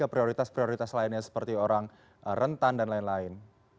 ada prioritas prioritas lainnya seperti orang rentan dan lain lain